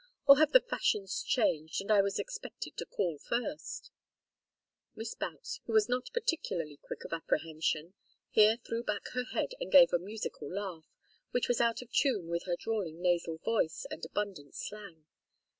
Or have the fashions changed, and was I expected to call first " Miss Boutts, who was not particularly quick of apprehension, here threw back her head and gave a musical laugh, which was out of tune with her drawling nasal voice and abundant slang.